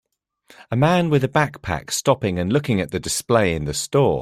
A man with a backpack stopping and looking at the display in the store